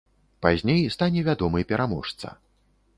Пазней стане вядомы пераможца.